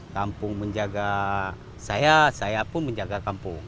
kampung menjaga saya saya pun menjaga kampung